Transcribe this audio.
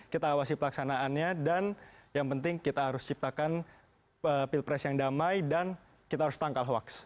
kita awasi pelaksanaannya dan yang penting kita harus ciptakan pilpres yang damai dan kita harus tangkal hoaks